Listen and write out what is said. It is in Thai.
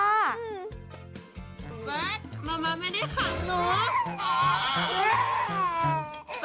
บัตแมมม้าไม่ได้ขังหนู